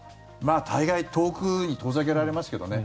大概遠くに遠ざけられますけどね。